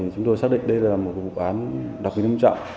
chúng tôi xác định đây là một vụ án đặc biệt nghiêm trọng